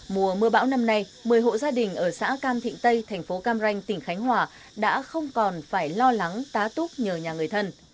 mùa mưa bão năm nay một mươi hộ gia đình ở xã cam thịnh tây thành phố cam ranh tỉnh khánh hòa đã không còn phải lo lắng tá túc nhờ nhà người thân